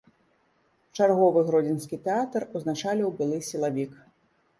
Чарговы гродзенскі тэатр узначаліў былы сілавік.